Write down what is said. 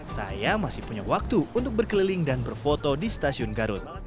saya masih punya waktu untuk berkeliling dan berfoto di stasiun garut